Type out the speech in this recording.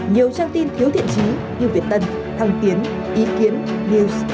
nhiều trang tin thiếu thiện trí như việt tân thăng tiến ý kiến news